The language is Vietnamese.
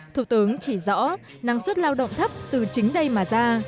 thủ tướng chỉ rõ năng suất lao động thấp từ chính đây mà ra